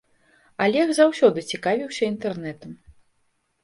Алег заўсёды цікавіўся інтэрнэтам.